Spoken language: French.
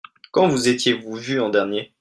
Quand vous étiez-vous vu en dernier ?